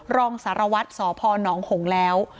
รองศาลวัฒน์ศพหนหงแล้ว